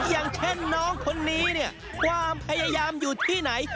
อย่างเช่นน้องคนนี้เนี่ยความพยายามอยู่ที่ไหน